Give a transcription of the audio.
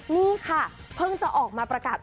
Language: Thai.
นี่ค่ะเพิ่งจะออกมาประกาศ